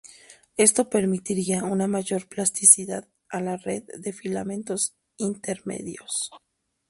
Esto permitiría una mayor plasticidad a la red de filamentos intermedios.